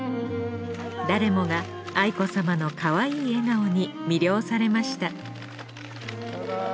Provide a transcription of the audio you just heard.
誰もが愛子さまのかわいい笑顔に魅了されました